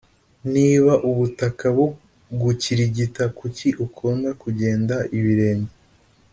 Niba ubutaka bugukirigita kuki ukunda kugenda ibirenge